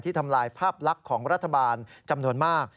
ทำลายภาพลักษณ์ของรัฐบาลจำนวนมาก